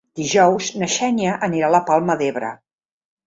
Dijous na Xènia anirà a la Palma d'Ebre.